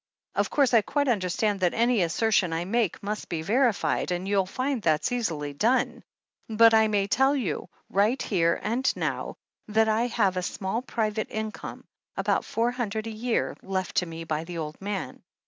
Of course, I quite understand that any assertion I make must be verified — ^and you'll find that's easily done — but I may tell you, right here and now, that I have a small private income, about four hundred a year, left to me by the old man.